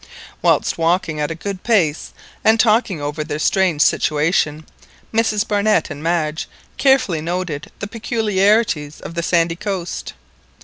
Whilst walking at a good pace and talking over their strange situation, Mrs Barnett and Madge carefully noted the peculiarities of the sandy coast.